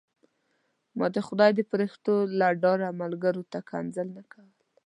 ما د خدای د فرښتو له ډاره ملګرو ته کنځل نه کول.